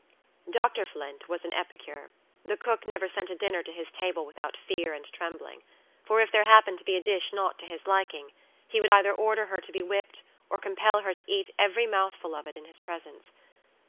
Dr. Flint was an epicure. The cook never sent a dinner to his table without fear and trembling; for if there happened to be a dish not to his liking, he would either order her to be whipped, or compel her to eat every mouthful of it in his presence.